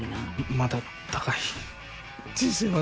まだ高い！